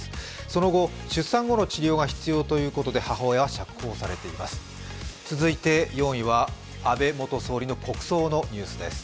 その後、出産後の治療が必要ということで母親は釈放されています。